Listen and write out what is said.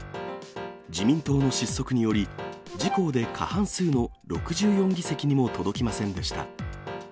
自民党の失速により、自公で過半数の６４議席にも届きませんでした。